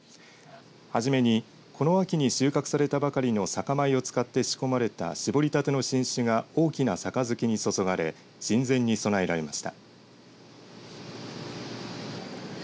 初めにこの秋に収穫されたばかりの酒米を使って仕込まれた搾りたての新酒が大きなさかずきに注がれ神前に供えられました。